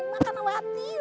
mak kan khawatir